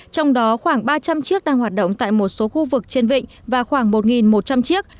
trong đó khoảng ba trăm linh chiếc đang hoạt động tại một số khu vực trên vịnh và khoảng một một trăm linh chiếc